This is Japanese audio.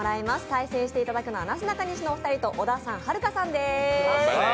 対戦していただくのはなすなかのお二人と小田さん、はるかさんです。